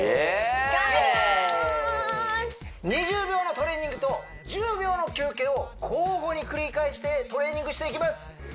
２０秒のトレーニングと１０秒の休憩を交互に繰り返してトレーニングしていきます